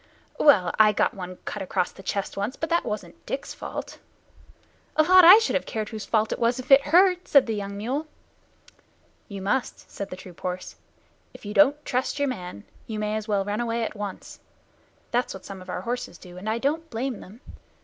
"Well, I got one cut across the chest once, but that wasn't Dick's fault " "A lot I should have cared whose fault it was, if it hurt!" said the young mule. "You must," said the troop horse. "If you don't trust your man, you may as well run away at once. That's what some of our horses do, and I don't blame them.